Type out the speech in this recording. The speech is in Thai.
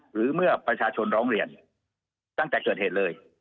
หรือเมื่อประชาชนร้องเรียนตั้งแต่เกิดเหตุเลย